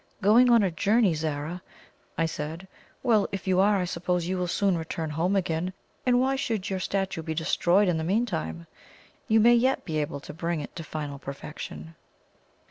"Going on a journey, Zara?" I said. "Well, if you are, I suppose you will soon return home again; and why should your statue be destroyed in the meantime? You may yet be able to bring it to final perfection."